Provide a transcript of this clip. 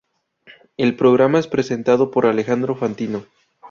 El programa es presentado por Alejandro Fantino.